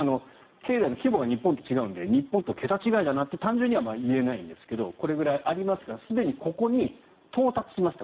経済の規模が日本と違うので日本と桁違いだなって単純には言えないんですがこれぐらいありますがすでにここに到達しました